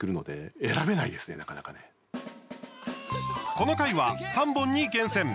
この回は３本に厳選。